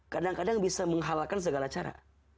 kadang kadang bisa menghalakan segala cara